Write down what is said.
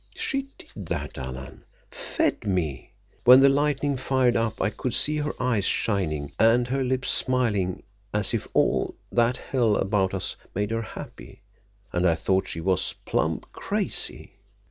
She did that, Alan—fed me. When the lightning fired up, I could see her eyes shining and her lips smilin' as if all that hell about us made her happy, and I thought she was plumb crazy.